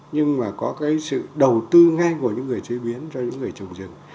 nhưng mà có cái sự đầu tư ngay của những người chế biến cho những người trồng rừng